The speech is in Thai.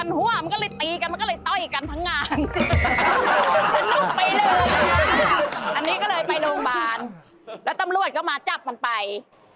สำรวจก็มาจับมันไป